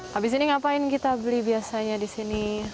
habis ini ngapain kita beli biasanya di sini